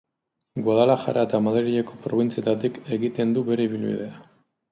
Guadalajara eta Madrileko probintzietatik egiten du bere ibilbidea.